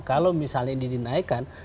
kalau misalnya ini dinaikkan